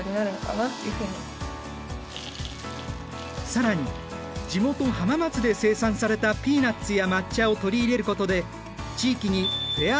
更に地元浜松で生産されたピーナッツや抹茶を取り入れることで地域にフェア